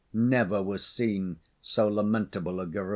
Never was seen so lamentable a guru.